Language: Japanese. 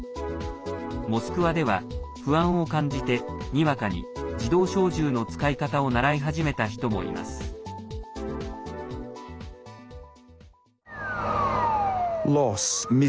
モスクワでは、不安を感じてにわかに自動小銃の使い方を習い始めた人もいます。